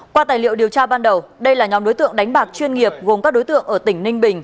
qua tài liệu điều tra ban đầu đây là nhóm đối tượng đánh bạc chuyên nghiệp gồm các đối tượng ở tỉnh ninh bình